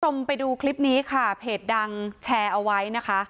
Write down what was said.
คุณผู้ชมไปดูคลิปนี้ค่ะเพจดังแชร์เอาไว้นะคะ